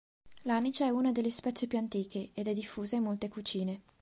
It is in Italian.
L'anice è una delle spezie più antiche, ed è diffusa in molte cucine.